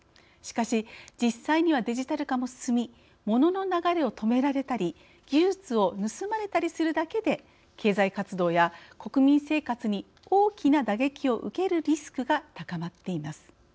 しかし、実際にはデジタル化も進みモノの流れを止められたり技術を盗まれたりするだけで経済活動や国民生活に大きな打撃を受けるリスクが高まっています。